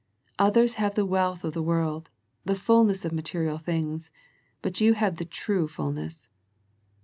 Others have the wealth of the world, the fulness of material things, but you have the true fulness.